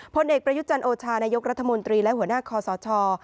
ผลเอกประยุจันทร์โอชานายกรัฐมนตรีและหัวหน้าคอสช